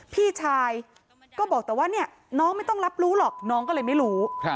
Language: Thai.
พี่ชายก็บอกแต่ว่าเนี่ยน้องไม่ต้องรับรู้หรอกน้องก็เลยไม่รู้